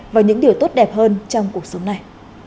và những điều tốt đẹp hơn trong cuộc sống này